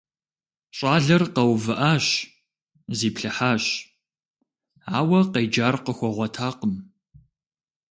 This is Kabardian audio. Щӏалэр къэувыӀащ, зиплъыхьащ, ауэ къеджар къыхуэгъуэтакъым.